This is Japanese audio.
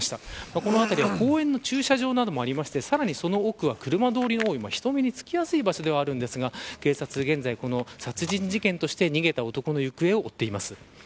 このあたりは公園の駐車場などもありその奥は車通りが多い人目につきやすい場所ですが警察は現在、殺人事件として逃げた男の行方を追っています。